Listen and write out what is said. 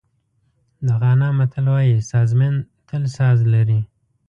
د غانا متل وایي سازمېن تل ساز لري.